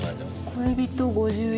「恋人５１」？